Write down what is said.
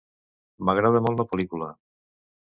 M'agrada molt la pel·lícula.